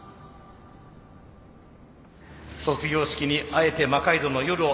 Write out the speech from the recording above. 卒業式にあえて「魔改造の夜」を選びました。